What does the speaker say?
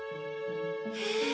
へえ！